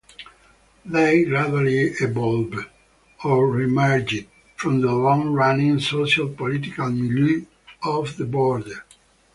They gradually evolved, or reemerged, from the long running sociopolitical milieu of the Border.